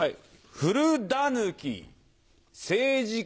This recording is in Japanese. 古だぬき政治家